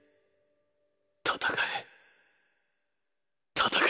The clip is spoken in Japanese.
戦え戦え。